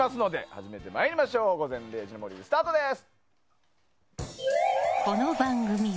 始めてまいりましょう「午前０時の森」スタートです。